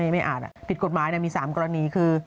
ไม่อ่านผิดกฎหมายมี๓กรณีคือ